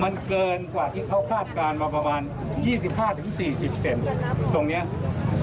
มันเกินกว่าที่เขาคาดการณ์มาประมาณ๒๕๔๐เซนตรงนี้